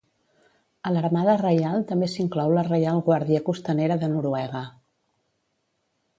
A l'Armada Reial també s'inclou la Reial Guàrdia Costanera de Noruega.